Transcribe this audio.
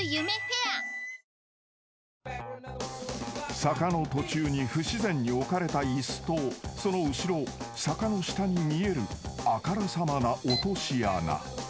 ［坂の途中に不自然に置かれたイスとその後ろ坂の下に見えるあからさまな落とし穴］